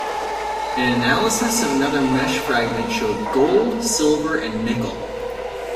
An analysis of another mesh fragment showed gold, silver, and nickel.